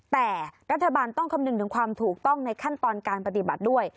แต่รัฐบาลต้องคำนึงถึงความถูกต้องในขั้นตอนการปฏิบัติด้วย